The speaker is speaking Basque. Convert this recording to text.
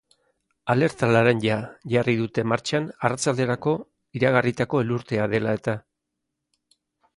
Alerta laranja jarri dute martxan arratsalderako iragarritako elurtea dela eta.